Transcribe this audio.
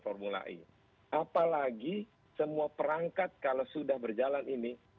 formula e apalagi semua perangkat kalau sudah berjalan ini